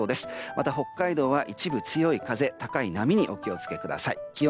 また、北海道は一部強い風、高い波にお気を付けください。